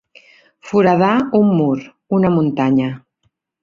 Foradar un mur, una muntanya.